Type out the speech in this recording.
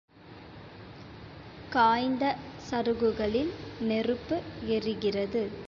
காய்ந்த சருகுகளில் நெருப்பு எரிகிறது.